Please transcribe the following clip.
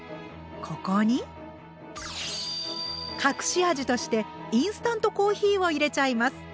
ここに隠し味としてインスタントコーヒーを入れちゃいます！